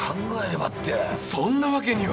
そんなわけには！